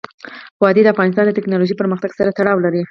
وادي د افغانستان د تکنالوژۍ پرمختګ سره تړاو لري.